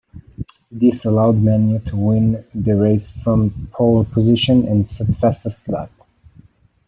This allowed Menu to win the race from pole position and set fastest lap.